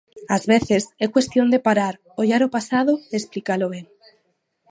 Ás veces é cuestión de parar, ollar o pasado e explicalo ben.